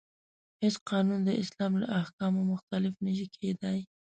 هیڅ قانون د اسلام د احکامو مخالف نشي کیدای.